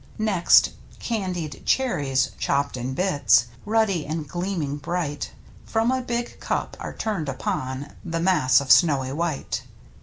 Next candied cherries, chopped in bits. Ruddy and gleaming bright. From a big cup are turned upon The mass of snowj^ white.